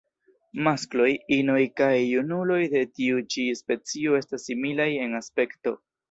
Maskloj, inoj kaj junuloj de tiu ĉi specio estas similaj en aspekto.